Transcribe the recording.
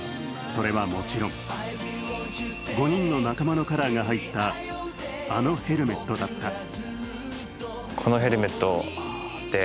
それはもちろん、５人の仲間のカラーが入ったあのヘルメットだった。